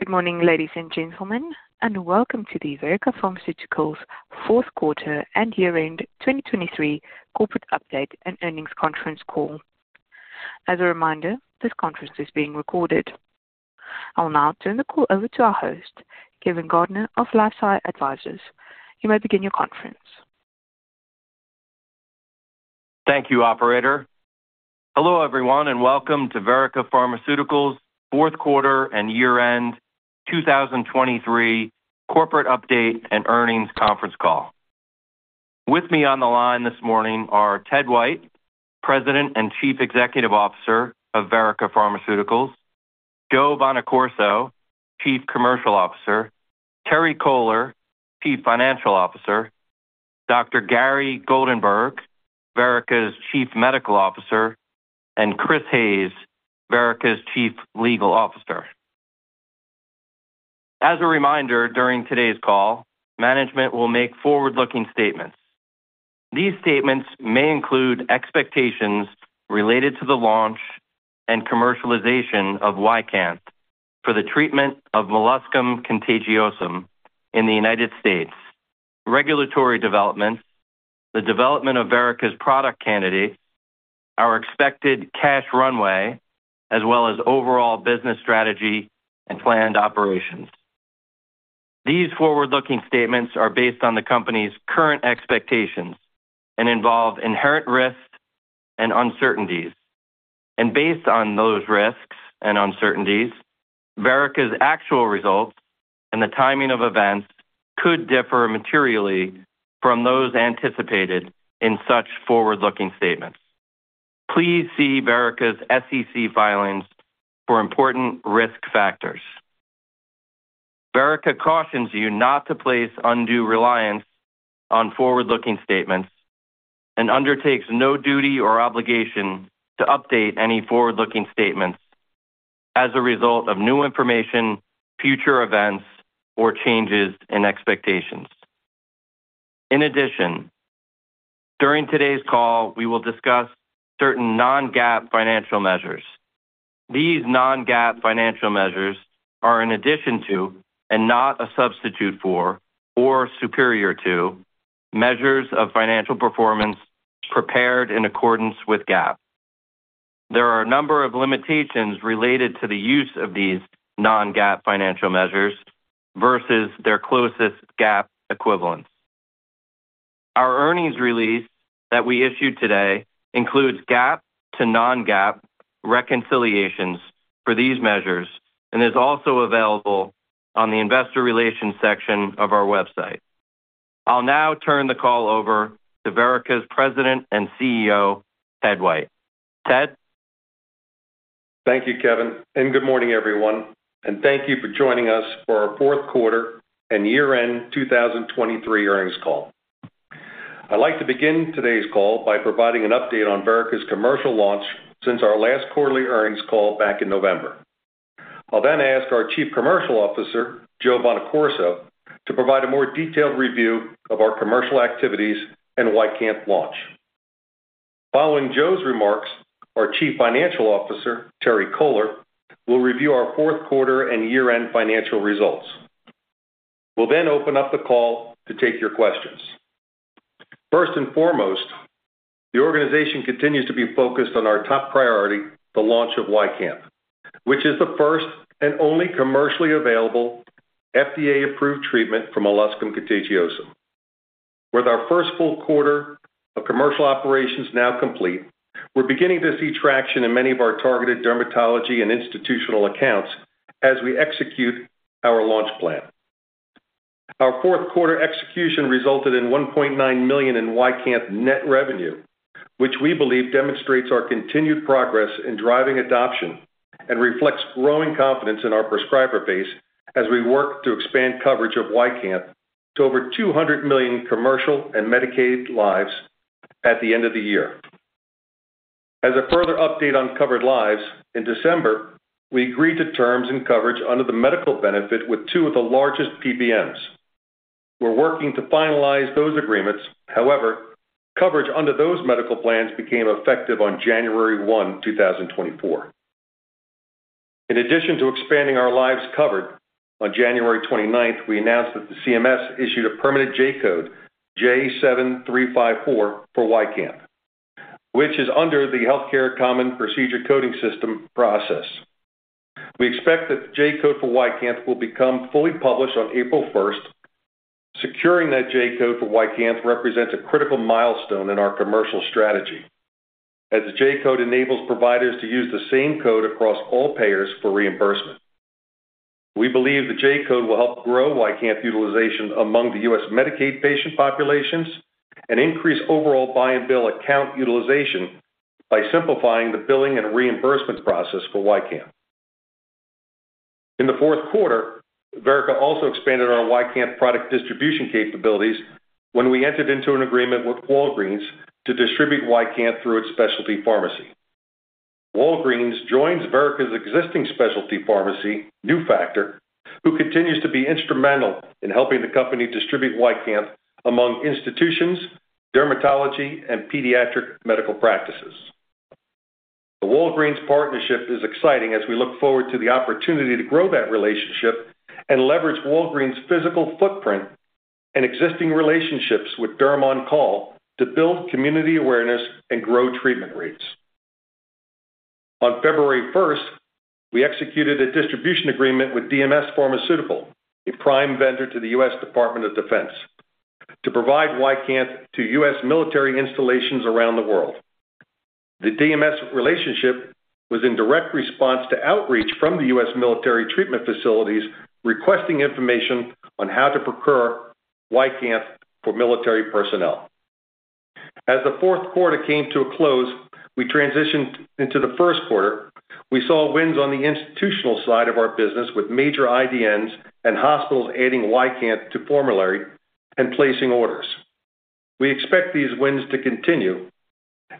Good morning, ladies and gentlemen, and welcome to the Verrica Pharmaceuticals fourth quarter and year-end 2023 corporate update and earnings conference call. As a reminder, this conference is being recorded. I'll now turn the call over to our host, Kevin Gardner of LifeSci Advisors. You may begin your conference. Thank you, operator. Hello, everyone, and welcome to Verrica Pharmaceuticals fourth quarter and year-end 2023 corporate update and earnings conference call. With me on the line this morning are Ted White, President and Chief Executive Officer of Verrica Pharmaceuticals. Joe Bonaccorso, Chief Commercial Officer. Terry Kohler, Chief Financial Officer. Dr. Gary Goldenberg, Verrica's Chief Medical Officer. And Chris Hayes, Verrica's Chief Legal Officer. As a reminder, during today's call, management will make forward-looking statements. These statements may include expectations related to the launch and commercialization of YCANTH for the treatment of molluscum contagiosum in the United States, regulatory developments, the development of Verrica's product candidate, our expected cash runway, as well as overall business strategy and planned operations. These forward-looking statements are based on the company's current expectations and involve inherent risks and uncertainties. Based on those risks and uncertainties, Verrica's actual results and the timing of events could differ materially from those anticipated in such forward-looking statements. Please see Verrica's SEC filings for important risk factors. Verrica cautions you not to place undue reliance on forward-looking statements and undertakes no duty or obligation to update any forward-looking statements as a result of new information, future events, or changes in expectations. In addition, during today's call, we will discuss certain non-GAAP financial measures. These non-GAAP financial measures are in addition to and not a substitute for or superior to measures of financial performance prepared in accordance with GAAP. There are a number of limitations related to the use of these non-GAAP financial measures versus their closest GAAP equivalents. Our earnings release that we issued today includes GAAP to non-GAAP reconciliations for these measures and is also available on the investor relations section of our website. I'll now turn the call over to Verrica's President and CEO, Ted White. Ted? Thank you, Kevin, and good morning, everyone, and thank you for joining us for our fourth quarter and year-end 2023 earnings call. I'd like to begin today's call by providing an update on Verrica's commercial launch since our last quarterly earnings call back in November. I'll then ask our Chief Commercial Officer, Joe Bonaccorso, to provide a more detailed review of our commercial activities and YCANTH launch. Following Joe's remarks, our Chief Financial Officer, Terry Kohler, will review our fourth quarter and year-end financial results. We'll then open up the call to take your questions. First and foremost, the organization continues to be focused on our top priority, the launch of YCANTH, which is the first and only commercially available FDA-approved treatment for molluscum contagiosum. With our first full quarter of commercial operations now complete, we're beginning to see traction in many of our targeted dermatology and institutional accounts as we execute our launch plan. Our fourth quarter execution resulted in $1.9 million in YCANTH net revenue, which we believe demonstrates our continued progress in driving adoption and reflects growing confidence in our prescriber base as we work to expand coverage of YCANTH to over 200 million commercial and Medicaid lives at the end of the year. As a further update on covered lives, in December, we agreed to terms and coverage under the medical benefit with two of the largest PBMs. We're working to finalize those agreements. However, coverage under those medical plans became effective on January 1, 2024. In addition to expanding our lives covered, on January twenty-ninth, we announced that the CMS issued a permanent J-code, J-7354 for YCANTH, which is under the Healthcare Common Procedure Coding System process. We expect that the J-code for YCANTH will become fully published on April first. Securing that J-code for YCANTH represents a critical milestone in our commercial strategy, as the J-code enables providers to use the same code across all payers for reimbursement. We believe the J-code will help grow YCANTH utilization among the U.S. Medicaid patient populations and increase overall buy and bill account utilization by simplifying the billing and reimbursement process for YCANTH. In the fourth quarter, Verrica also expanded our YCANTH product distribution capabilities when we entered into an agreement with Walgreens to distribute YCANTH through its specialty pharmacy. Walgreens joins Verrica's existing specialty pharmacy, Nufactor, who continues to be instrumental in helping the company distribute YCANTH among institutions, dermatology, and pediatric medical practices. The Walgreens partnership is exciting as we look forward to the opportunity to grow that relationship and leverage Walgreens' physical footprint and existing relationships with Derm on Call to build community awareness and grow treatment rates. On February 1st, we executed a distribution agreement with DMS Pharmaceutical, a prime vendor to the U.S. Department of Defense, to provide YCANTH to U.S. military installations around the world. The DMS relationship was in direct response to outreach from the U.S. military treatment facilities, requesting information on how to procure YCANTH for military personnel. As the fourth quarter came to a close, we transitioned into the first quarter. We saw wins on the institutional side of our business, with major IDNs and hospitals adding YCANTH to formulary and placing orders. We expect these wins to continue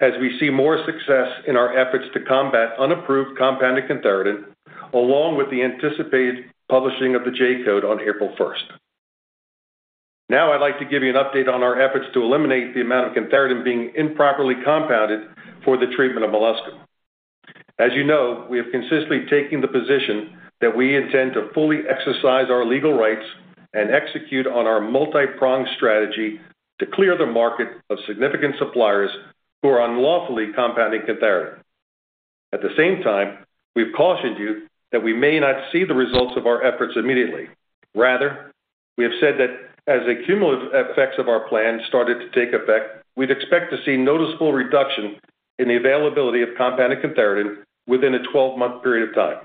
as we see more success in our efforts to combat unapproved compounded cantharidin, along with the anticipated publishing of the J-code on April 1st. Now, I'd like to give you an update on our efforts to eliminate the amount of cantharidin being improperly compounded for the treatment of molluscum. As you know, we have consistently taken the position that we intend to fully exercise our legal rights and execute on our multipronged strategy to clear the market of significant suppliers who are unlawfully compounding cantharidin. At the same time, we've cautioned you that we may not see the results of our efforts immediately. Rather, we have said that as the cumulative effects of our plan started to take effect, we'd expect to see noticeable reduction in the availability of compounded cantharidin within a twelve-month period of time.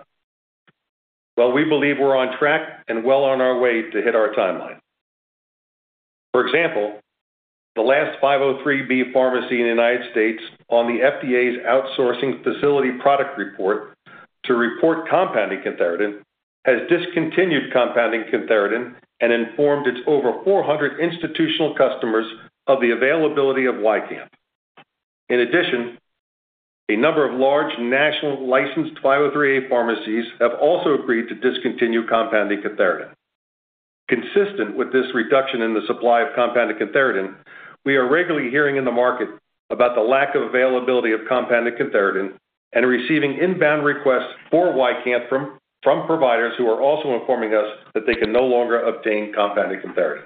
Well, we believe we're on track and well on our way to hit our timeline. For example, the last 503B pharmacy in the United States on the FDA's outsourcing facility product report to report compounding cantharidin, has discontinued compounding cantharidin and informed its over 400 institutional customers of the availability of YCANTH. In addition, a number of large national licensed 503A pharmacies have also agreed to discontinue compounding cantharidin. Consistent with this reduction in the supply of compounded cantharidin, we are regularly hearing in the market about the lack of availability of compounded cantharidin and are receiving inbound requests for YCANTH from providers who are also informing us that they can no longer obtain compounded cantharidin.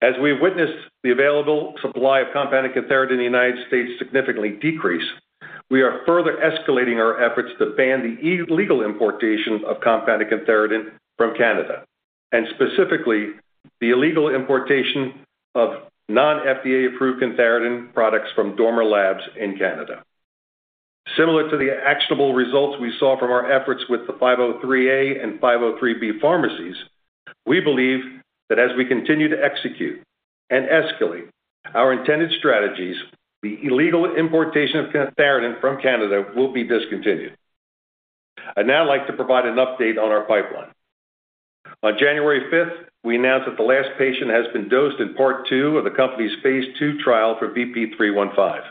As we've witnessed the available supply of compounded cantharidin in the United States significantly decrease, we are further escalating our efforts to ban the illegal importation of compounded cantharidin from Canada, and specifically, the illegal importation of non-FDA-approved cantharidin products from Dormer Labs in Canada. Similar to the actionable results we saw from our efforts with the 503A and 503B pharmacies, we believe that as we continue to execute and escalate our intended strategies, the illegal importation of cantharidin from Canada will be discontinued. I'd now like to provide an update on our pipeline. On January 5th, we announced that the last patient has been dosed in part 2 of the company's phase II trial for VP-315,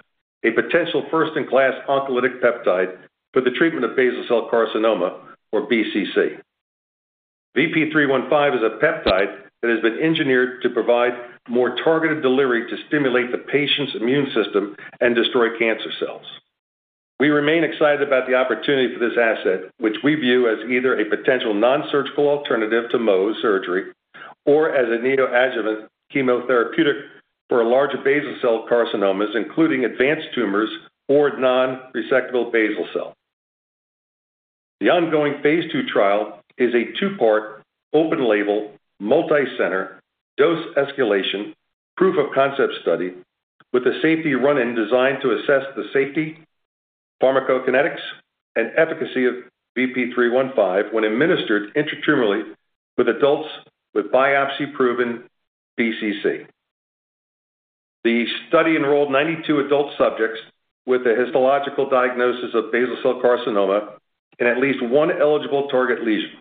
a potential first-in-class oncolytic peptide for the treatment of basal cell carcinoma or BCC. VP-315 is a peptide that has been engineered to provide more targeted delivery to stimulate the patient's immune system and destroy cancer cells. We remain excited about the opportunity for this asset, which we view as either a potential nonsurgical alternative to Mohs surgery or as an adjuvant chemotherapeutic for larger basal cell carcinomas, including advanced tumors or nonresectable basal cell. The ongoing phase II trial is a two-part, open-label, multicenter, dose-escalation, proof-of-concept study with a safety run-in designed to assess the safety, pharmacokinetics, and efficacy of VP-315 when administered intratumorally with adults with biopsy-proven BCC. The study enrolled 92 adult subjects with a histological diagnosis of basal cell carcinoma and at least one eligible target lesion.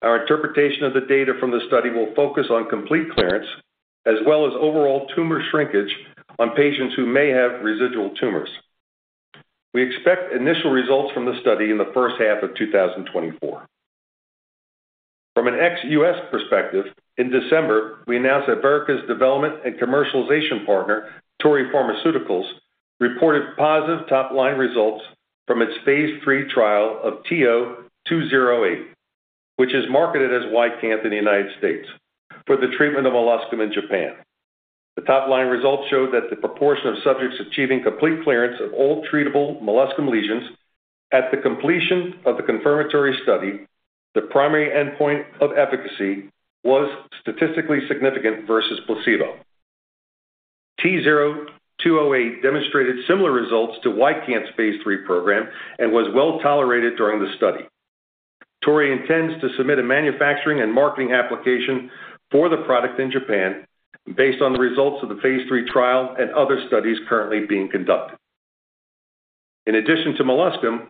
Our interpretation of the data from the study will focus on complete clearance, as well as overall tumor shrinkage on patients who may have residual tumors. We expect initial results from the study in the first half of 2024. From an ex-US perspective, in December, we announced that Verrica's development and commercialization partner, Torii Pharmaceuticals, reported positive top-line results from its phase III trial of TO-208, which is marketed as YCANTH in the United States, for the treatment of molluscum in Japan. The top-line results showed that the proportion of subjects achieving complete clearance of all treatable molluscum lesions at the completion of the confirmatory study, the primary endpoint of efficacy, was statistically significant versus placebo. TO-208 demonstrated similar results to YCANTH's phase III program and was well-tolerated during the study. Torii intends to submit a manufacturing and marketing application for the product in Japan based on the results of the phase III trial and other studies currently being conducted. In addition to molluscum,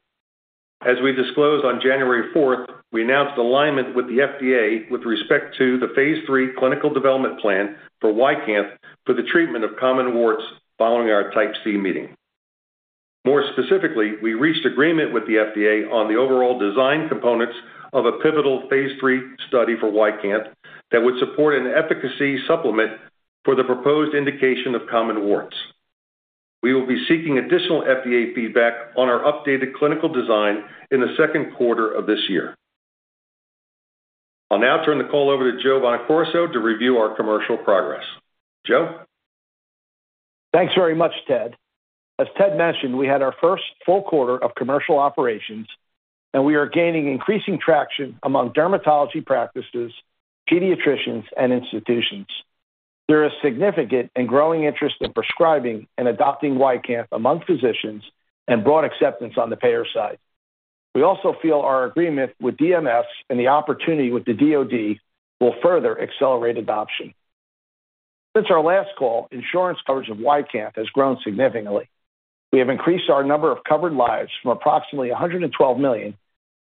as we disclosed on January 4th, we announced alignment with the FDA with respect to the phase III clinical development plan for YCANTH for the treatment of common warts following our Type C meeting. More specifically, we reached agreement with the FDA on the overall design components of a pivotal phase III study for YCANTH that would support an efficacy supplement... for the proposed indication of common warts. We will be seeking additional FDA feedback on our updated clinical design in the second quarter of this year. I'll now turn the call over to Joe Bonaccorso to review our commercial progress. Joe? Thanks very much, Ted. As Ted mentioned, we had our first full quarter of commercial operations, and we are gaining increasing traction among dermatology practices, pediatricians, and institutions. There is significant and growing interest in prescribing and adopting YCANTH among physicians and broad acceptance on the payer side. We also feel our agreement with DMS and the opportunity with the DOD will further accelerate adoption. Since our last call, insurance coverage of YCANTH has grown significantly. We have increased our number of covered lives from approximately 112 million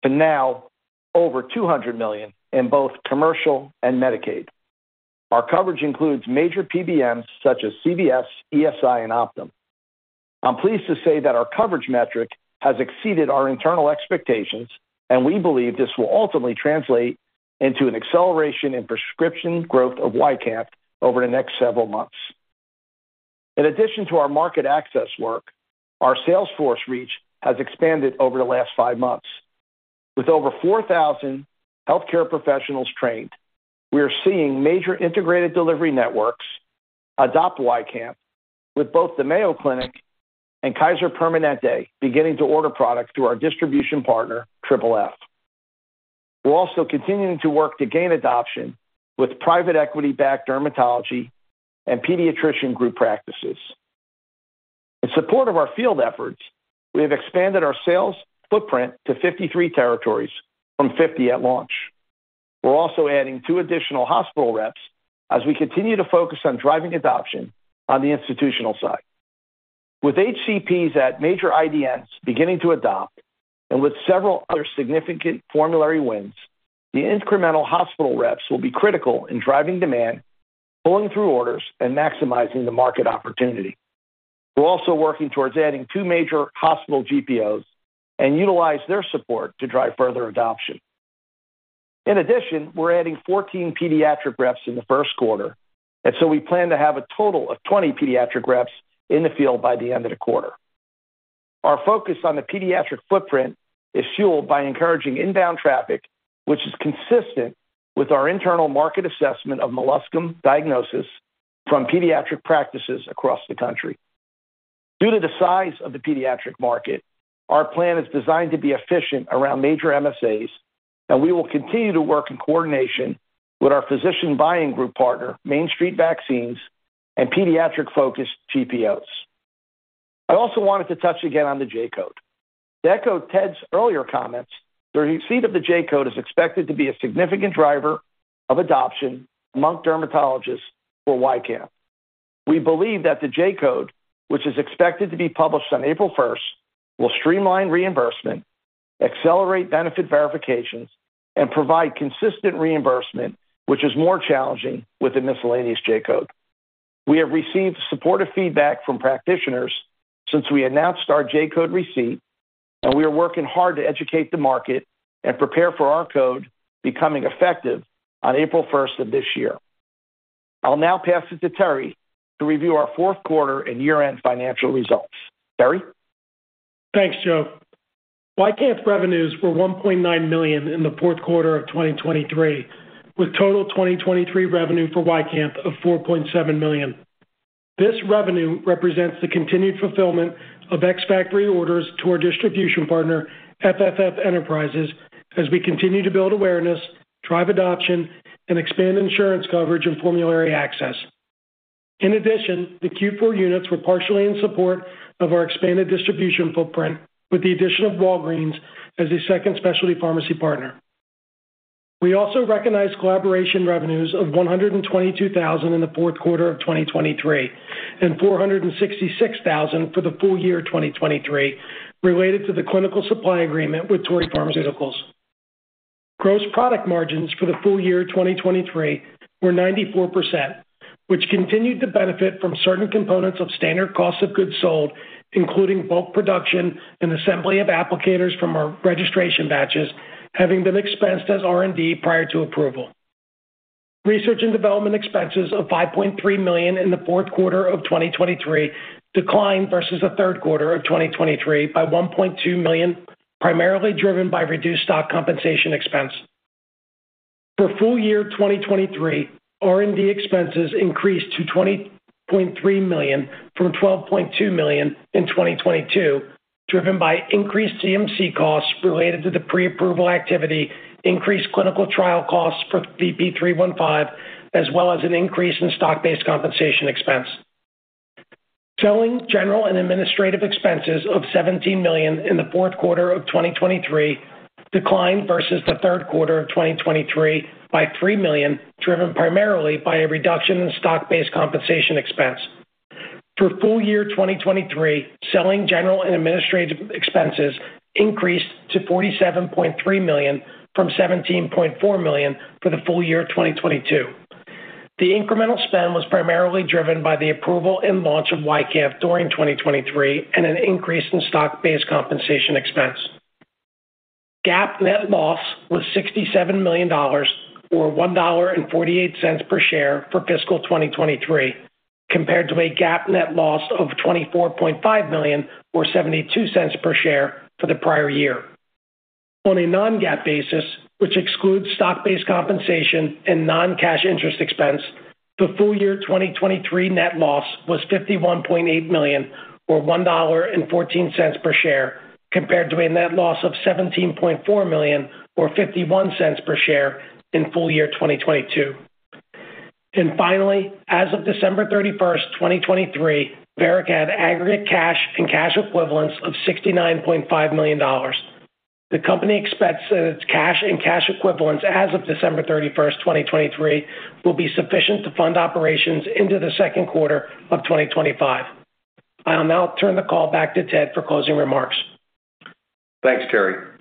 to now over 200 million in both commercial and Medicaid. Our coverage includes major PBMs such as CVS, ESI, and Optum. I'm pleased to say that our coverage metric has exceeded our internal expectations, and we believe this will ultimately translate into an acceleration in prescription growth of YCANTH over the next several months. In addition to our market access work, our sales force reach has expanded over the last five months. With over 4,000 healthcare professionals trained, we are seeing major integrated delivery networks adopt YCANTH, with both the Mayo Clinic and Kaiser Permanente beginning to order products through our distribution partner, FFF. We're also continuing to work to gain adoption with private equity-backed dermatology and pediatrician group practices. In support of our field efforts, we have expanded our sales footprint to 53 territories from 50 at launch. We're also adding 2 additional hospital reps as we continue to focus on driving adoption on the institutional side. With HCPs at major IDNs beginning to adopt and with several other significant formulary wins, the incremental hospital reps will be critical in driving demand, pulling through orders, and maximizing the market opportunity. We're also working towards adding 2 major hospital GPOs and utilize their support to drive further adoption. In addition, we're adding 14 pediatric reps in the first quarter, and so we plan to have a total of 20 pediatric reps in the field by the end of the quarter. Our focus on the pediatric footprint is fueled by encouraging inbound traffic, which is consistent with our internal market assessment of molluscum diagnosis from pediatric practices across the country. Due to the size of the pediatric market, our plan is designed to be efficient around major MSAs, and we will continue to work in coordination with our physician buying group partner, Main Street Vaccines, and pediatric-focused GPOs. I also wanted to touch again on the J-code. To echo Ted's earlier comments, the receipt of the J-code is expected to be a significant driver of adoption among dermatologists for YCANTH. We believe that the J-code, which is expected to be published on April first, will streamline reimbursement, accelerate benefit verifications, and provide consistent reimbursement, which is more challenging with the miscellaneous J-code. We have received supportive feedback from practitioners since we announced our J-code receipt, and we are working hard to educate the market and prepare for our code becoming effective on April first of this year. I'll now pass it to Terry to review our fourth quarter and year-end financial results. Terry? Thanks, Joe. YCANTH's revenues were $1.9 million in the fourth quarter of 2023, with total 2023 revenue for YCANTH of $4.7 million. This revenue represents the continued fulfillment of ex-factory orders to our distribution partner, FFF Enterprises, as we continue to build awareness, drive adoption, and expand insurance coverage and formulary access. In addition, the Q4 units were partially in support of our expanded distribution footprint, with the addition of Walgreens as a second specialty pharmacy partner. We also recognized collaboration revenues of $122,000 in the fourth quarter of 2023 and $466,000 for the full year 2023, related to the clinical supply agreement with Torii Pharmaceutical. Gross product margins for the full year 2023 were 94%, which continued to benefit from certain components of standard cost of goods sold, including bulk production and assembly of applicators from our registration batches, having been expensed as R&D prior to approval. Research and development expenses of $5.3 million in the fourth quarter of 2023 declined versus the third quarter of 2023 by $1.2 million, primarily driven by reduced stock compensation expense. For full year 2023, R&D expenses increased to $20.3 million from $12.2 million in 2022, driven by increased CMC costs related to the pre-approval activity, increased clinical trial costs for VP-315, as well as an increase in stock-based compensation expense. Selling, general and administrative expenses of $17 million in the fourth quarter of 2023 declined versus the third quarter of 2023 by $3 million, driven primarily by a reduction in stock-based compensation expense. For full year 2023, selling, general and administrative expenses increased to $47.3 million from $17.4 million for the full year 2022. The incremental spend was primarily driven by the approval and launch of YCANTH during 2023 and an increase in stock-based compensation expense.... GAAP net loss was $67 million, or $1.48 per share for fiscal 2023, compared to a GAAP net loss of $24.5 million, or $0.72 per share for the prior year. On a non-GAAP basis, which excludes stock-based compensation and non-cash interest expense, the full year 2023 net loss was $51.8 million, or $1.14 per share, compared to a net loss of $17.4 million or $0.51 per share in full year 2022. And finally, as of December 31, 2023, Verrica had aggregate cash and cash equivalents of $69.5 million. The company expects that its cash and cash equivalents as of December 31, 2023, will be sufficient to fund operations into the second quarter of 2025. I will now turn the call back to Ted for closing remarks. Thanks, Terry.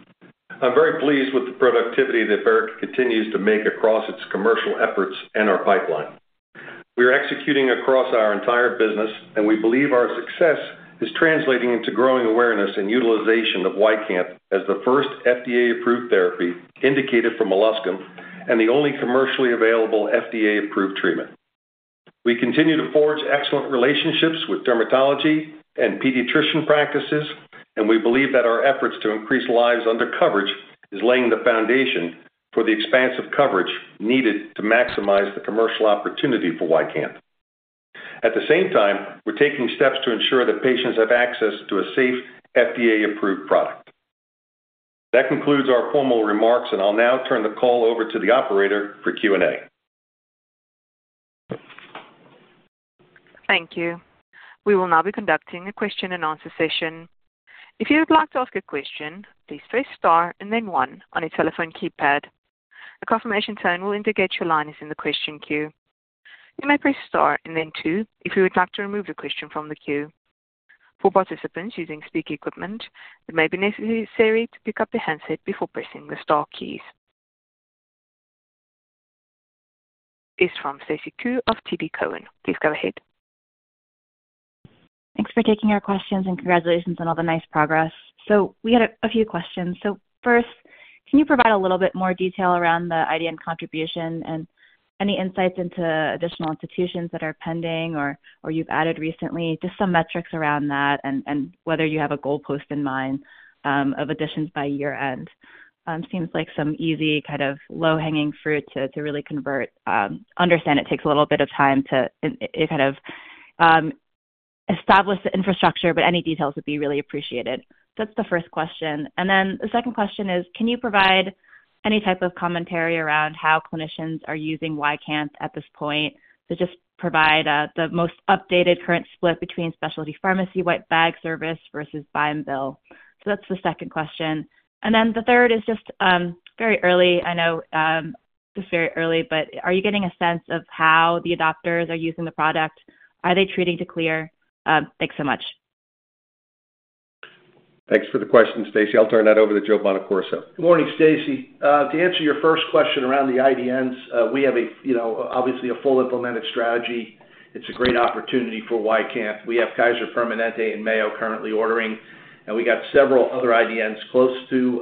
I'm very pleased with the productivity that Verrica continues to make across its commercial efforts and our pipeline. We are executing across our entire business, and we believe our success is translating into growing awareness and utilization of YCANTH as the first FDA-approved therapy indicated for molluscum and the only commercially available FDA-approved treatment. We continue to forge excellent relationships with dermatology and pediatrician practices, and we believe that our efforts to increase lives under coverage is laying the foundation for the expansive coverage needed to maximize the commercial opportunity for YCANTH. At the same time, we're taking steps to ensure that patients have access to a safe FDA-approved product. That concludes our formal remarks, and I'll now turn the call over to the operator for Q&A. Thank you. We will now be conducting a question-and-answer session. If you would like to ask a question, please press Star and then one on your telephone keypad. A confirmation tone will indicate your line is in the question queue. You may press Star and then two if you would like to remove your question from the queue. For participants using speaker equipment, it may be necessary to pick up the handset before pressing the star keys. Is from Stacy Ku of TD Cowen. Please go ahead. Thanks for taking our questions, and congratulations on all the nice progress. So we had a few questions. So first, can you provide a little bit more detail around the IDN contribution and any insights into additional institutions that are pending or you've added recently? Just some metrics around that and whether you have a goalpost in mind of additions by year-end. Seems like some easy, kind of low-hanging fruit to really convert. Understand it takes a little bit of time to establish the infrastructure, but any details would be really appreciated. So that's the first question. And then the second question is, can you provide any type of commentary around how clinicians are using YCANTH at this point? So just provide the most updated current split between specialty pharmacy, white bag service versus buy and bill. So that's the second question. Then the third is just very early, I know, just very early, but are you getting a sense of how the adopters are using the product? Are they treating to clear? Thanks so much. Thanks for the question, Stacy. I'll turn that over to Joe Bonaccorso. Good morning, Stacy. To answer your first question around the IDNs, we have a, you know, obviously a full implemented strategy. It's a great opportunity for YCANTH. We have Kaiser Permanente and Mayo currently ordering, and we got several other IDNs close to,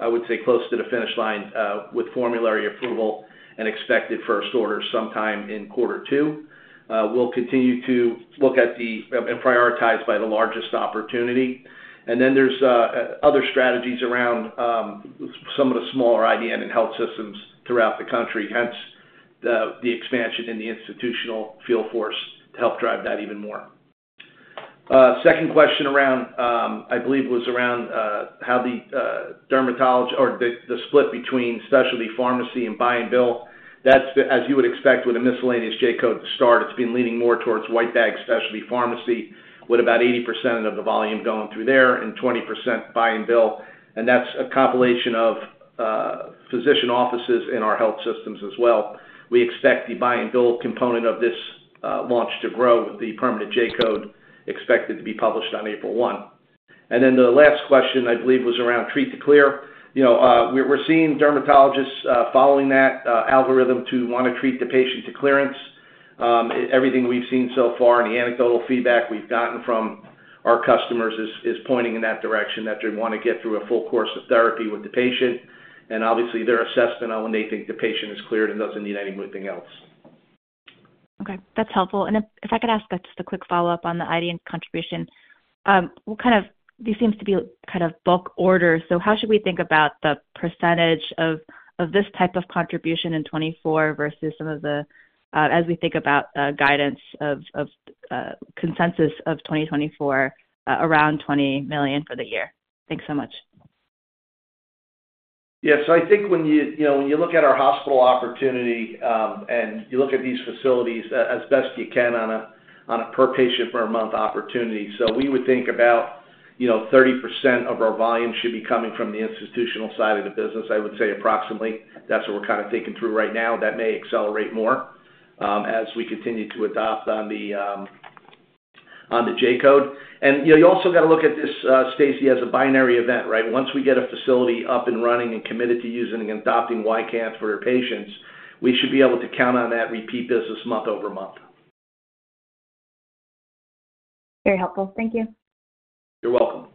I would say, close to the finish line, with formulary approval and expected first order sometime in quarter two. We'll continue to look at and prioritize by the largest opportunity. And then there's other strategies around some of the smaller IDN and health systems throughout the country, hence the expansion in the institutional field force to help drive that even more. Second question around, I believe was around, how the split between specialty pharmacy and buy and bill. That's, as you would expect with a miscellaneous J-code start, it's been leaning more towards white bag specialty pharmacy, with about 80% of the volume going through there and 20% buy and bill. That's a compilation of physician offices in our health systems as well. We expect the buy and bill component of this launch to grow, with the permanent J-code expected to be published on April 1. Then the last question, I believe, was around treat to clear. You know, we're seeing dermatologists following that algorithm to want to treat the patient to clearance. Everything we've seen so far and the anecdotal feedback we've gotten from our customers is pointing in that direction, that they want to get through a full course of therapy with the patient, and obviously, their assessment on when they think the patient is cleared and doesn't need anything else. Okay, that's helpful. And if I could ask just a quick follow-up on the IDN contribution. What kind of... This seems to be a kind of bulk order, so how should we think about the percentage of this type of contribution in 2024 versus some of the, as we think about guidance of consensus of 2024 around $20 million for the year? Thanks so much. Yeah, so I think when you, you know, when you look at our hospital opportunity, and you look at these facilities as best you can on a, on a per patient per month opportunity. So we would think about, you know, 30% of our volume should be coming from the institutional side of the business. I would say approximately, that's what we're kind of thinking through right now. That may accelerate more, as we continue to adopt on the, on the J-code. And, you know, you also got to look at this, Stacy, as a binary event, right? Once we get a facility up and running and committed to using and adopting YCANTH for their patients, we should be able to count on that repeat business month over month.... Very helpful. Thank you. You're welcome.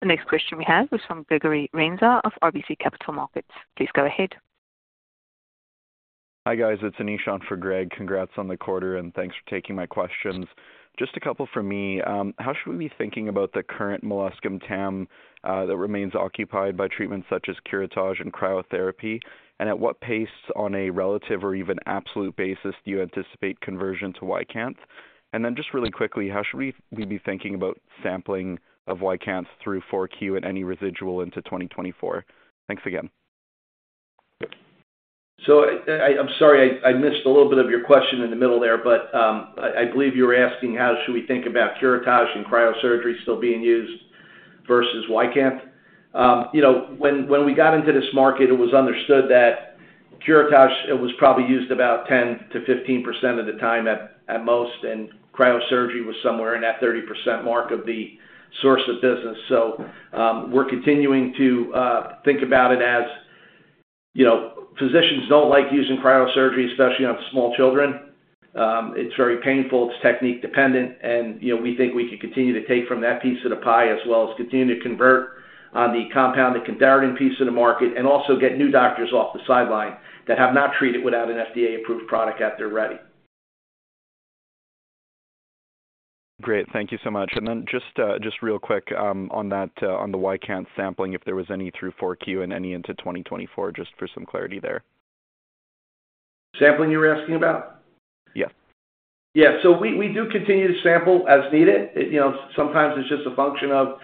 The next question we have is from Gregory Renza of RBC Capital Markets. Please go ahead. Hi, guys, it's Anish on for Greg. Congrats on the quarter, and thanks for taking my questions. Just a couple from me. How should we be thinking about the current molluscum TAM that remains occupied by treatments such as curettage and cryotherapy? And at what pace on a relative or even absolute basis do you anticipate conversion to YCANTH? And then just really quickly, how should we be thinking about sampling of YCANTH through Q4 and any residual into 2024? Thanks again. So, I'm sorry, I missed a little bit of your question in the middle there, but, I believe you were asking how should we think about curettage and cryosurgery still being used versus YCANTH. You know, when we got into this market, it was understood that curettage was probably used about 10%-15% of the time at most, and cryosurgery was somewhere in that 30% mark of the source of business. So, we're continuing to think about it as, you know, physicians don't like using cryosurgery, especially on small children. It's very painful, it's technique-dependent, and, you know, we think we could continue to take from that piece of the pie, as well as continue to convert on the compounded cantharidin piece of the market, and also get new doctors off the sideline that have not treated without an FDA-approved product at their ready. Great. Thank you so much. Then just real quick, on the YCANTH sampling, if there was any through Q4 and any into 2024, just for some clarity there. Sampling, you were asking about? Yeah. Yeah. So we do continue to sample as needed. It you know sometimes it's just a function of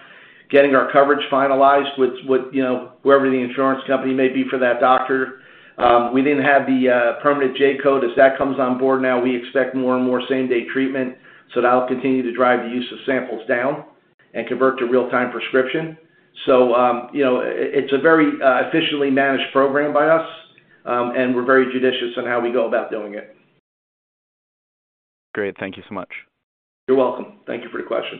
getting our coverage finalized with you know whoever the insurance company may be for that doctor. We didn't have the permanent J-code. As that comes on board now, we expect more and more same-day treatment, so that'll continue to drive the use of samples down and convert to real-time prescription. So you know it's a very efficiently managed program by us and we're very judicious on how we go about doing it. Great. Thank you so much. You're welcome. Thank you for your question.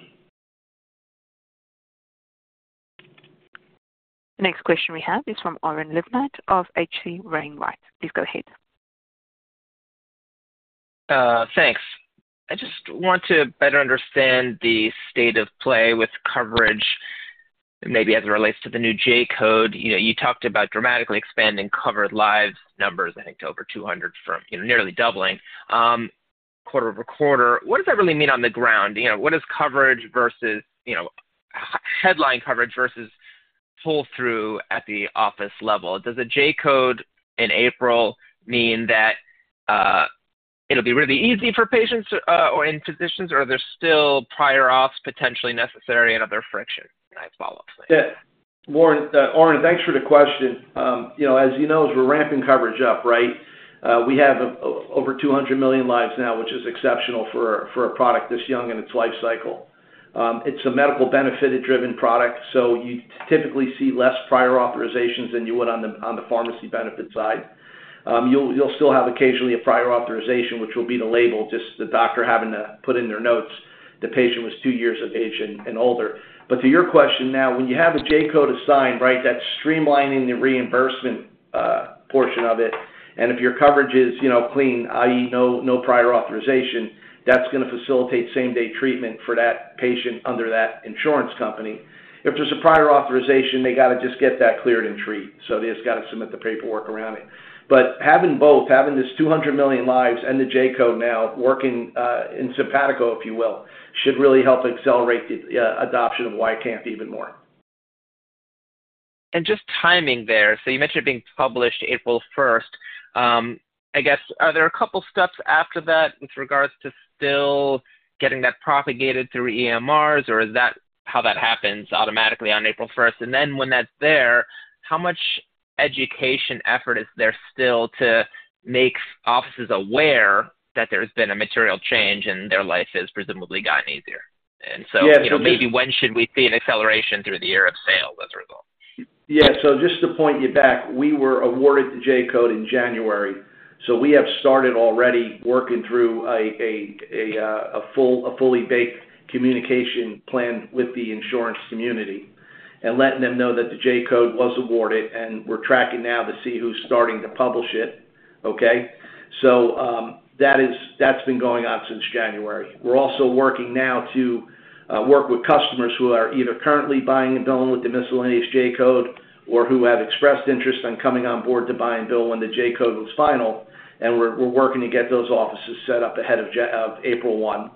The next question we have is from Oren Livnat of H.C. Wainwright. Please go ahead. Thanks. I just want to better understand the state of play with coverage, maybe as it relates to the new J-code. You know, you talked about dramatically expanding covered lives numbers, I think, to over 200 from, you know, nearly doubling, quarter-over-quarter. What does that really mean on the ground? You know, what is coverage versus, you know, headline coverage versus pull-through at the office level? Does a J-code in April mean that, it'll be really easy for patients, or, and physicians, or are there still prior auths potentially necessary and other friction? And I have follow-ups. Yeah. Warren, Oren, thanks for the question. You know, as you know, as we're ramping coverage up, right? We have over 200 million lives now, which is exceptional for a product this young in its life cycle. It's a medical benefited driven product, so you typically see less prior authorizations than you would on the pharmacy benefit side. You'll still have occasionally a prior authorization, which will be the label, just the doctor having to put in their notes, the patient was two years of age and older. But to your question now, when you have a J-code assigned, right, that's streamlining the reimbursement portion of it. And if your coverage is, you know, clean, i.e., no prior authorization, that's gonna facilitate same-day treatment for that patient under that insurance company. If there's a prior authorization, they gotta just get that cleared and treat, so they just gotta submit the paperwork around it. But having both, having this 200 million lives and the J-code now working in simpatico, if you will, should really help accelerate the adoption of YCANTH even more. And just timing there. So you mentioned being published April first. I guess, are there a couple steps after that with regards to still getting that propagated through EMRs, or is that how that happens automatically on April first? And then when that's there, how much education effort is there still to make offices aware that there's been a material change, and their life has presumably gotten easier? Yeah. Maybe when should we see an acceleration through the year of sales as a result? Yeah. So just to point you back, we were awarded the J-code in January, so we have started already working through a fully baked communication plan with the insurance community and letting them know that the J-code was awarded, and we're tracking now to see who's starting to publish it, okay? So, that's been going on since January. We're also working now to work with customers who are either currently buying and billing with the miscellaneous J-code or who have expressed interest on coming on board to buy and bill when the J-code was final, and we're working to get those offices set up ahead of April 1.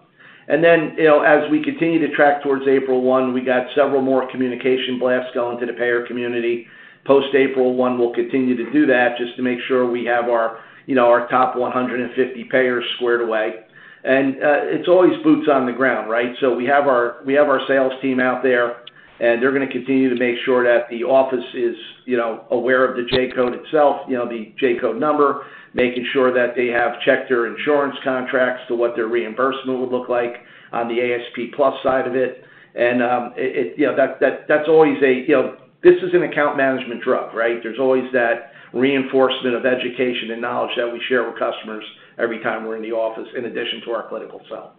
And then, you know, as we continue to track towards April 1, we got several more communication blasts going to the payer community. Post April 1, we'll continue to do that just to make sure we have our, you know, our top 150 payers squared away. And it's always boots on the ground, right? So we have our sales team out there, and they're gonna continue to make sure that the office is, you know, aware of the J-code itself, you know, the J-code number, making sure that they have checked their insurance contracts to what their reimbursement would look like on the ASP plus side of it. And it... You know, that, that's always a, you know, this is an account management drug, right? There's always that reinforcement of education and knowledge that we share with customers every time we're in the office, in addition to our clinical sell....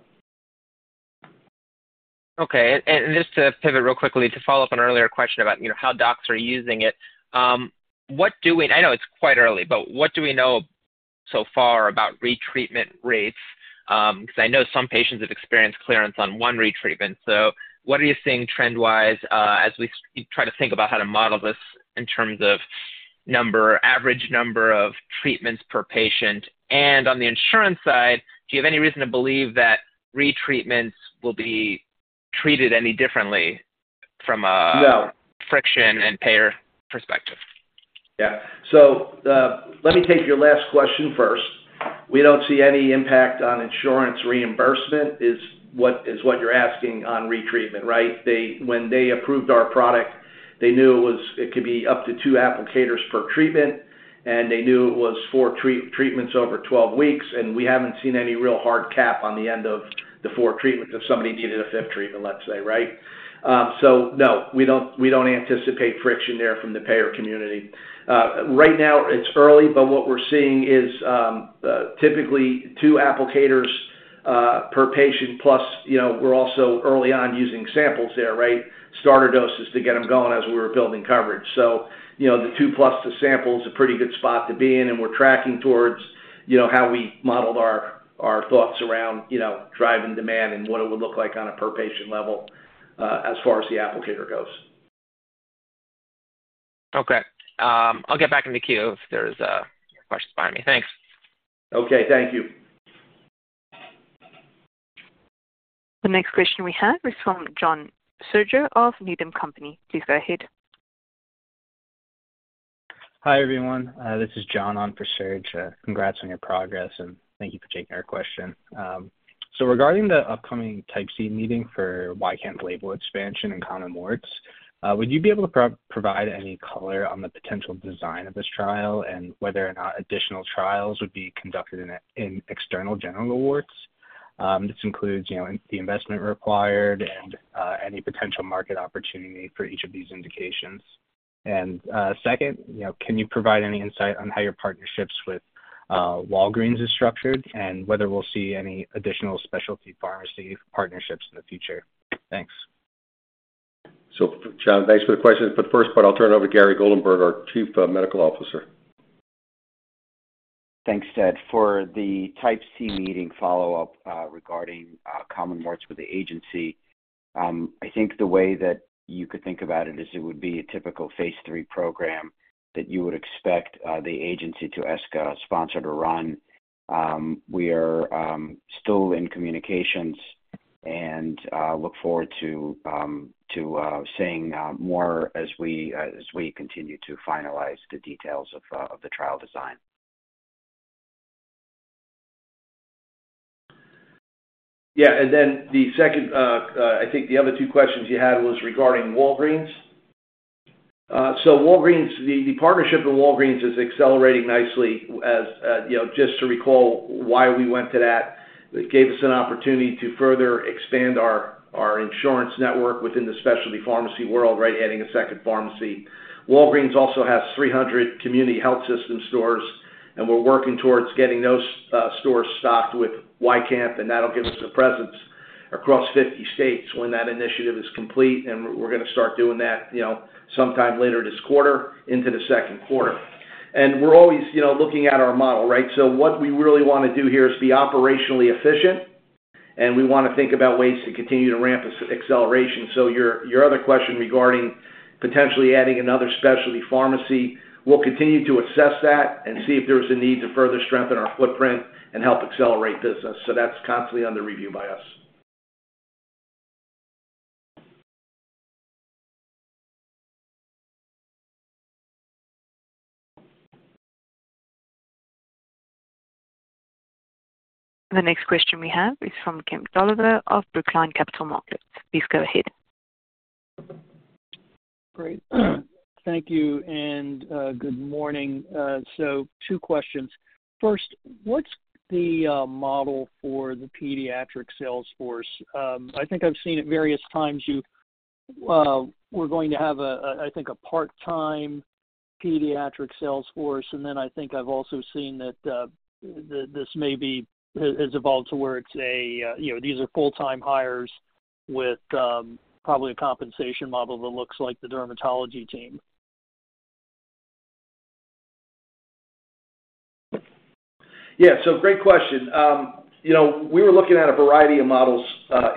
Okay, and just to pivot real quickly, to follow up on an earlier question about, you know, how docs are using it. I know it's quite early, but what do we know so far about retreatment rates? Because I know some patients have experienced clearance on one retreatment. So what are you seeing trend-wise, as we try to think about how to model this in terms of number, average number of treatments per patient? And on the insurance side, do you have any reason to believe that retreatments will be treated any differently from a- No. friction and payer perspective? Yeah. So, let me take your last question first. We don't see any impact on insurance reimbursement, is what you're asking on retreatment, right? They. When they approved our product, they knew it was. It could be up to two applicators per treatment, and they knew it was four treatments over 12 weeks, and we haven't seen any real hard cap on the end of the four treatments if somebody needed a fifth treatment, let's say, right? So no, we don't anticipate friction there from the payer community. Right now, it's early, but what we're seeing is typically two applicators per patient plus, you know, we're also early on using samples there, right? Starter doses to get them going as we were building coverage. So, you know, the two plus the sample is a pretty good spot to be in, and we're tracking towards, you know, how we modeled our thoughts around, you know, driving demand and what it would look like on a per patient level, as far as the applicator goes. Okay. I'll get back in the queue if there's questions by me. Thanks. Okay, thank you. The next question we have is from John Serge of Needham & Company. Please go ahead. Hi, everyone, this is John on for Serge. Congrats on your progress, and thank you for taking our question. So regarding the upcoming Type C meeting for YCANTH label expansion and common warts, would you be able to provide any color on the potential design of this trial and whether or not additional trials would be conducted in external genital warts? This includes, you know, the investment required and any potential market opportunity for each of these indications. Second, you know, can you provide any insight on how your partnerships with Walgreens is structured and whether we'll see any additional specialty pharmacy partnerships in the future? Thanks. So, John, thanks for the question. For the first part, I'll turn it over to Gary Goldenberg, our Chief Medical Officer. Thanks, Ted. For the Type C meeting follow-up, regarding common warts with the agency, I think the way that you could think about it is it would be a typical phase III program that you would expect the agency to ask a sponsor to run. We are still in communications and look forward to seeing more as we continue to finalize the details of the trial design. Yeah, and then the second, I think the other two questions you had was regarding Walgreens. So Walgreens, the partnership with Walgreens is accelerating nicely. As you know, just to recall why we went to that, it gave us an opportunity to further expand our insurance network within the specialty pharmacy world, right, adding a second pharmacy. Walgreens also has 300 community health system stores, and we're working towards getting those stores stocked with YCANTH, and that'll give us a presence across 50 states when that initiative is complete, and we're gonna start doing that, you know, sometime later this quarter into the second quarter. And we're always, you know, looking at our model, right? So what we really want to do here is be operationally efficient, and we want to think about ways to continue to ramp acceleration. So your other question regarding potentially adding another specialty pharmacy, we'll continue to assess that and see if there's a need to further strengthen our footprint and help accelerate business. So that's constantly under review by US. The next question we have is from Kemp Dolliver of Brookline Capital Markets. Please go ahead. Great. Thank you, and good morning. So two questions. First, what's the model for the pediatric sales force? I think I've seen at various times you were going to have, I think, a part-time pediatric sales force, and then I think I've also seen that this may be has evolved to where it's, you know, these are full-time hires with probably a compensation model that looks like the dermatology team. Yeah, so great question. You know, we were looking at a variety of models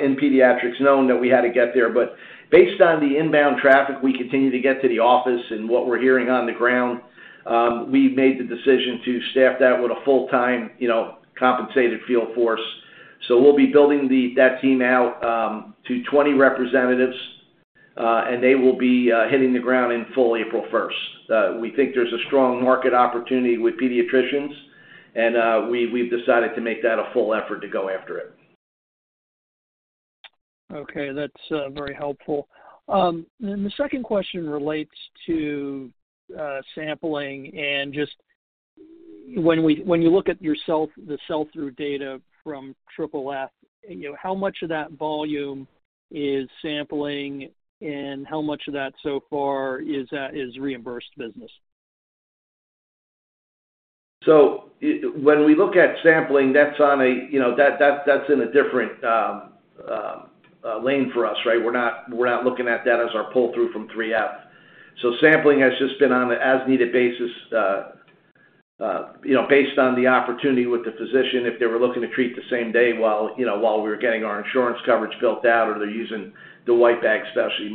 in pediatrics, knowing that we had to get there. But based on the inbound traffic we continue to get to the office and what we're hearing on the ground, we've made the decision to staff that with a full-time, you know, compensated field force. So we'll be building that team out to 20 representatives, and they will be hitting the ground in full April first. We think there's a strong market opportunity with pediatricians, and we, we've decided to make that a full effort to go after it. Okay, that's very helpful. And the second question relates to sampling and just when you look at your sell-through data from FFF, you know, how much of that volume is sampling, and how much of that so far is reimbursed business?... So, when we look at sampling, that's on a, you know, that's in a different lane for us, right? We're not looking at that as our pull-through from FFF. So sampling has just been on an as-needed basis, you know, based on the opportunity with the physician, if they were looking to treat the same day while, you know, while we were getting our insurance coverage built out, or they're using the white bag specialty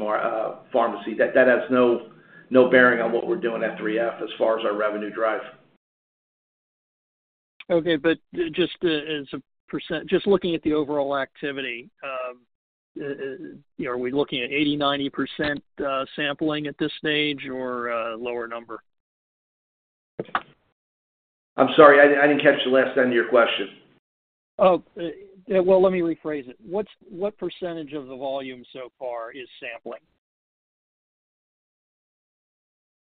pharmacy. That has no bearing on what we're doing at FFF as far as our revenue drive. Okay, but just, as a percent, just looking at the overall activity, you know, are we looking at 80%-90% sampling at this stage or lower number? I'm sorry, I didn't catch the last end of your question. Oh, well, let me rephrase it. What percentage of the volume so far is sampling?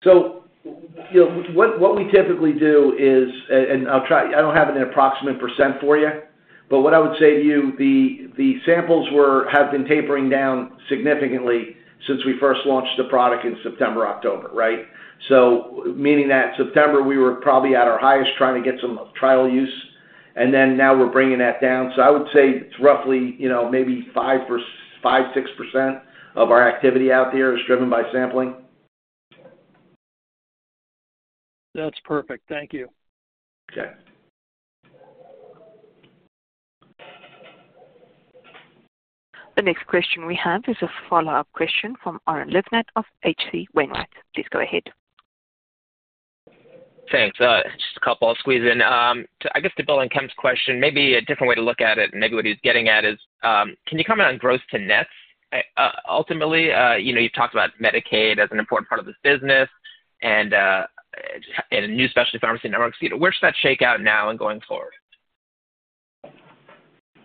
So, you know, what we typically do is... I'll try, I don't have an approximate percent for you, but what I would say to you, the samples have been tapering down significantly since we first launched the product in September, October, right? So meaning that September, we were probably at our highest, trying to get some trial use, and then now we're bringing that down. So I would say it's roughly, you know, maybe 5-6% of our activity out there is driven by sampling. That's perfect. Thank you. Okay. The next question we have is a follow-up question from Oren Livnat of H.C. Wainwright. Please go ahead. Thanks. Just a couple I'll squeeze in. I guess, to build on Kemp's question, maybe a different way to look at it, and maybe what he's getting at is, can you comment on gross to nets? Ultimately, you know, you've talked about Medicaid as an important part of this business, and and a new specialty pharmacy networks. Where does that shake out now and going forward?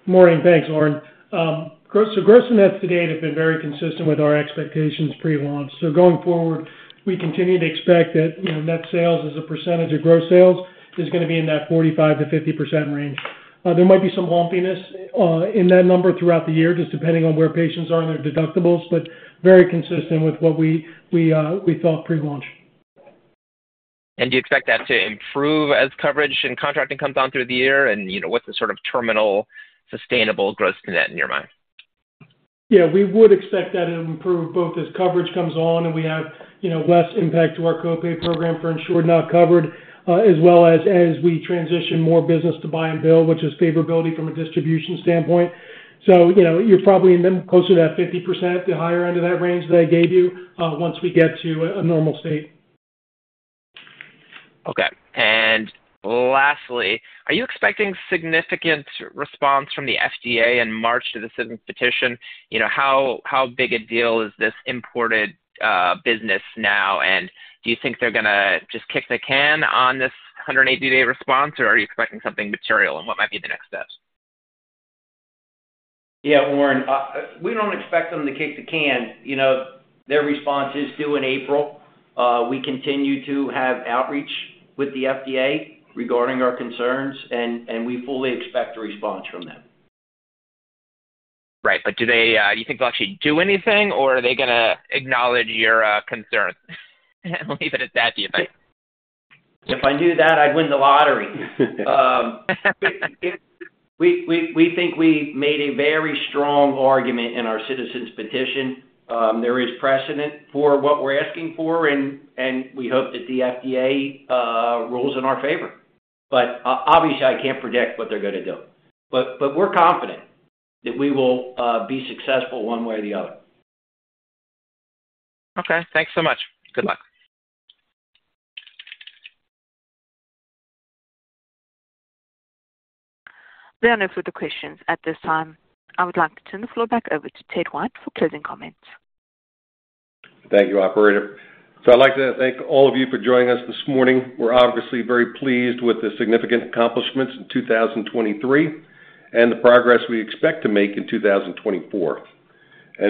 Morning. Thanks, Oren. Gross, so gross nets to date have been very consistent with our expectations pre-launch. So going forward, we continue to expect that, you know, net sales as a percentage of gross sales is gonna be in that 45%-50% range. There might be some lumpiness in that number throughout the year, just depending on where patients are in their deductibles, but very consistent with what we thought pre-launch. Do you expect that to improve as coverage and contracting comes on through the year? You know, what's the sort of terminal sustainable gross to net in your mind? Yeah, we would expect that to improve both as coverage comes on and we have, you know, less impact to our co-pay program for insured not covered, as well as, as we transition more business to buy and bill, which is favorability from a distribution standpoint. So, you know, you're probably closer to that 50%, the higher end of that range that I gave you, once we get to a normal state. Okay. And lastly, are you expecting significant response from the FDA in March to the citizen petition? You know, how big a deal is this imported business now? And do you think they're gonna just kick the can on this 180-day response, or are you expecting something material? And what might be the next steps? Yeah, Oren, we don't expect them to kick the can. You know, their response is due in April. We continue to have outreach with the FDA regarding our concerns, and we fully expect a response from them. Right. But do they, do you think they'll actually do anything, or are they gonna acknowledge your concerns? I'll leave it at that. Do you think? If I knew that, I'd win the lottery. We think we made a very strong argument in our citizen petition. There is precedent for what we're asking for, and we hope that the FDA rules in our favor. But obviously, I can't predict what they're gonna do. But we're confident that we will be successful one way or the other. Okay, thanks so much. Good luck. There are no further questions at this time. I would like to turn the floor back over to Ted White for closing comments. Thank you, operator. So I'd like to thank all of you for joining us this morning. We're obviously very pleased with the significant accomplishments in 2023, and the progress we expect to make in 2024.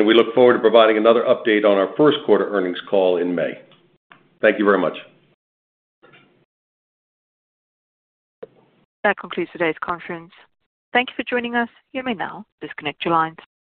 We look forward to providing another update on our first quarter earnings call in May. Thank you very much. That concludes today's conference. Thank you for joining us. You may now disconnect your lines.